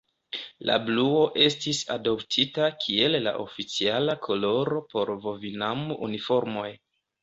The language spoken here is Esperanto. La bluo estis adoptita kiel la oficiala koloro por Vovinam-uniformoj.